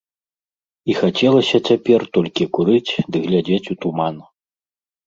І хацелася цяпер толькі курыць ды глядзець у туман.